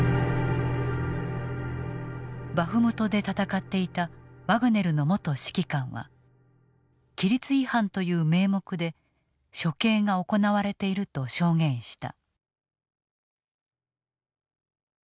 バフムトで戦っていたワグネルの元指揮官は規律違反という名目で処刑が行われていると証言した。